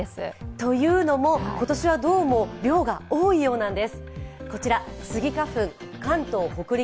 というのも、今年はどうも量が多いようなんです。